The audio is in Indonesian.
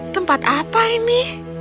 tempat apa ini